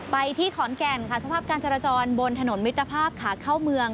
ไปที่ขอนแก่นค่ะสภาพการจราจรบนถนนมิตรภาพขาเข้าเมือง